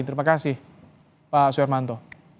terima kasih pak suirmanto